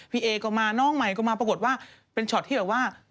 เอก็มาน้องใหม่ก็มาปรากฏว่าเป็นช็อตที่แบบว่า